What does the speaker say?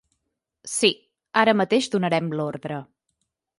Sí, ara mateix donarem l'ordre.